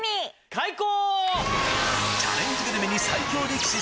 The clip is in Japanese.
開講！